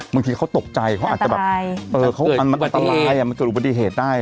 เมื่อกี้เขาตกใจเขาอาจจะแบบมันตำลายเปิดอุบัติเหตุได้